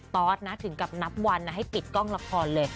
ตอสนะถึงกับนับวันให้ปิดกล้องละครเลย